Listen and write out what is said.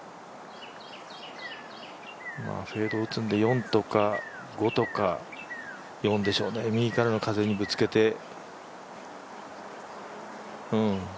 フェード打つので４とか、５とか４でしょうね、右からの風にぶつけて。